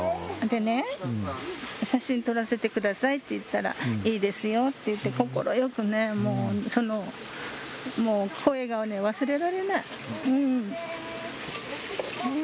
でね、写真撮らせてくださいって言ったら、いいですよって言って、快くね、もう、その声が忘れられない。